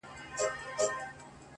o گلابي شونډي يې د بې په نوم رپيږي؛